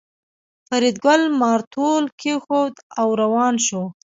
فریدګل مارتول کېښود او روان شو